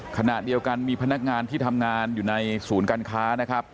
ขณะเดียวกันมีพนักงานที่ทำงานอยู่ในศูนย์การค้านะครับ